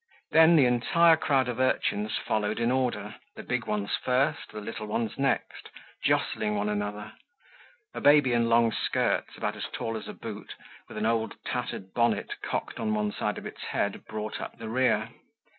Then the entire crowd of urchins followed in order, the big ones first, the little ones next, jostling one another; a baby in long skirts about as tall as a boot with an old tattered bonnet cocked on one side of its head, brought up the rear.